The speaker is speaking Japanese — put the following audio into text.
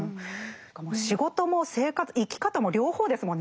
仕事も生き方も両方ですもんね。